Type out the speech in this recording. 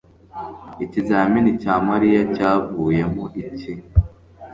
Ikizamini cya Mariya cyavuyemo iki?